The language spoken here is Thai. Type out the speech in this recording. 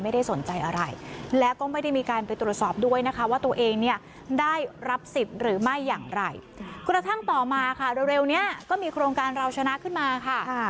ได้อย่างไรกระทั่งต่อมาค่ะเร็วเนี้ยก็มีโครงการราวฉนะขึ้นมาค่ะค่ะ